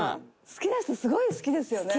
好きな人すごい好きですよね」